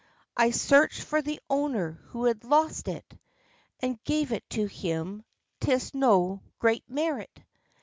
I searched for the owner who had lost it, And gave it to him, — 'tis no great merit."